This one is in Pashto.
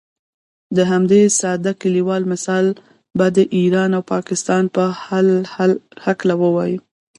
د همدې ساده کلیوال مثال به د ایران او پاکستان په هکله ووایم.